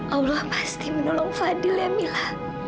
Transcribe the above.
allah pasti menolong fadil ya mila